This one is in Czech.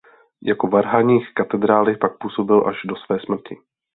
Jako varhaník katedrály pak působil až do své smrti.